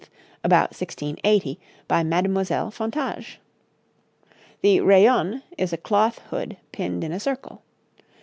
about 1680, by Mademoiselle Fontage. The 'rayonné' is a cloth hood pinned in a circle.